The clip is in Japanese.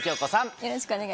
よろしくお願いします。